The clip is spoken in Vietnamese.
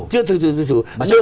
chưa thực sự tự chủ